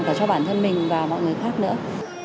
và cho bản thân mình và mọi người khác nữa